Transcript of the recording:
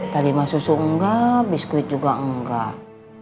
terima susu enggak biskuit juga enggak